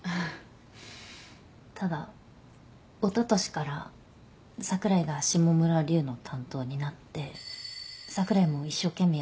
ただおととしから櫻井がシモムラリュウの担当になって櫻井も一生懸命やってました。